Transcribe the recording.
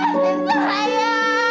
ibu lepasin saya